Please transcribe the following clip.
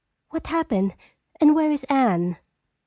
What happened and where is Anne?"